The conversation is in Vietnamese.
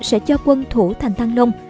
sẽ cho quân thủ thành thăng long